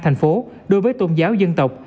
thành phố đối với tôn giáo dân tộc